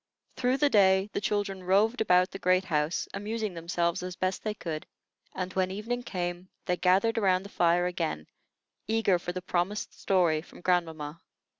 Through the day the children roved about the great house, amusing themselves as best they could; and, when evening came, they gathered around the fire again, eager for the promised story from grandmamma.